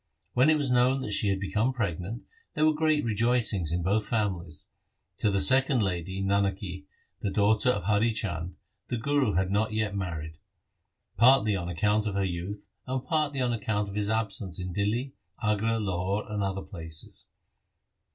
When it was known that she had become pregnant, there were great rejoicings in both families. To the second lady, Nanaki, the daughter of Hari Chand, the Guru was not yet married, partly on account of her youth and partly on account of his absence in Dihli, Agra, Lahore, and other places.